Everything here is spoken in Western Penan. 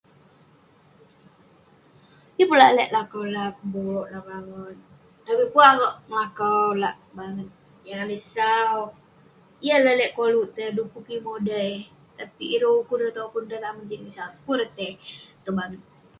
Yeng pun lalek melakau lak be'ek, lak banget. Dekuk pun akouk melakau lak banget, jah kalik sau. Yeng akouk lalek koluk tai, dekuk kik modai. Tapik ireh ukun, ireh topun, ireh languk kik sau, pun ireh tai tong banget.